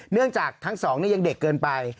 เนื่องจากทั้งสองยังเด็กเกินไป